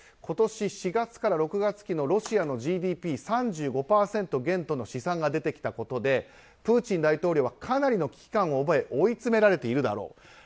今年４月から６月期のロシアのＧＤＰが３５％減との試算が出てきたことでプーチン大統領はかなりの危機感を覚え追いつめられているだろう。